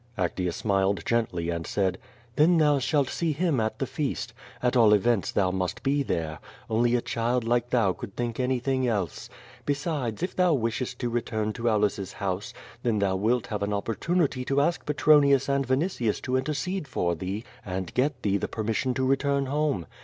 Actea smiled gently, and said: "Then thou shalt see him at the feast. At all events, thou must be there. Only a child like thou could think anything else. Besides, if thou wishest to return to Aulus's house, then thou wilt have tn opportunity to ask Fetronius and Vinitius to intercede for thee, and get thee the permis sion to return home.